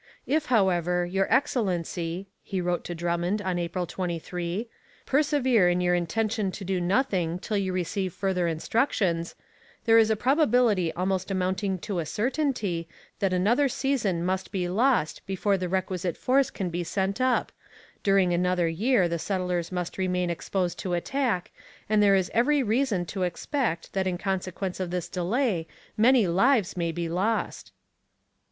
'If, however, your Excellency,' he wrote to Drummond on April 23, 'persevere in your intention to do nothing till you receive further instructions, there is a probability almost amounting to a certainty that another season must be lost before the requisite force can be sent up during another year the settlers must remain exposed to attack, and there is every reason to expect that in consequence of this delay many lives may be lost.'